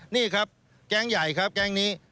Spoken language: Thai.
นี่ครับแกงใหญ่แกงนี้